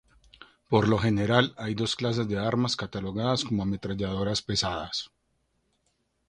Por lo general hay dos clases de armas catalogadas como ametralladoras pesadas.